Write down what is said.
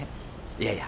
いやいや。